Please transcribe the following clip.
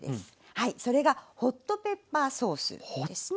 はいそれがホットペッパーソースですね。